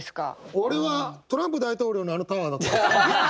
俺はトランプ大統領のあのタワーだと思った。